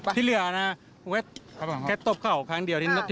ที่เรือนะแค่ตบเขาครั้งเดียวที่หูรถ